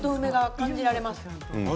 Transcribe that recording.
感じられますね。